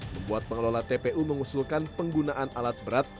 membuat pengelola tpu mengusulkan penggunaan alat berat